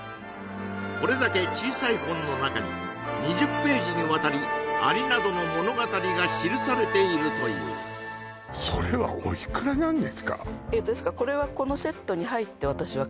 これだけ小さい本の中に２０ページにわたり「蟻」などの物語が記されているという入ってたんだ？